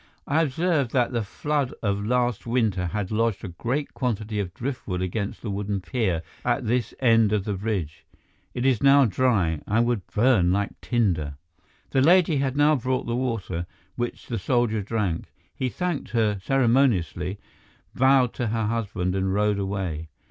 "I observed that the flood of last winter had lodged a great quantity of driftwood against the wooden pier at this end of the bridge. It is now dry and would burn like tinder." The lady had now brought the water, which the soldier drank. He thanked her ceremoniously, bowed to her husband and rode away.